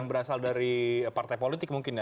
yang berasal dari partai politik mungkin ya